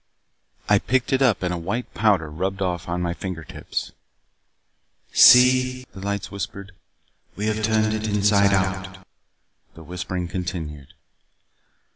I picked it up and a white powder rubbed off upon my fingertips. "See." The lights whispered. "We have turned it inside out " The whispering continued.